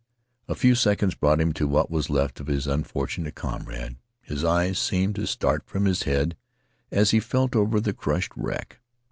A few seconds brought him to what was left of his unfortunate comrade; his eyes seemed to start from tis head as he felt over the crushed wreck.